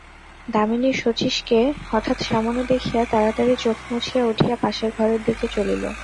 দামিনী শচীশকে হঠাৎ সামনে দেখিয়া তাড়াতাড়ি চোখ মুছিয়া উঠিয়া পাশের ঘরের দিকে চলিল।